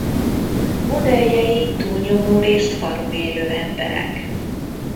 Modelljei túlnyomórészt falun élő emberek.